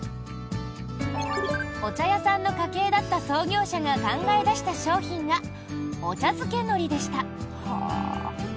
お茶屋さんの家系だった創業者が考え出した商品がお茶漬けのりでした。